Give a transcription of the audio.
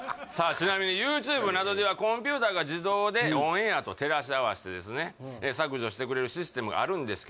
ちなみにＹｏｕＴｕｂｅなどではコンピューターが自動でオンエアと照らし合わしてですね削除してくれるシステムがあるんですけども